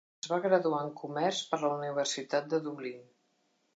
Es va graduar en Comerç per la Universitat de Dublín.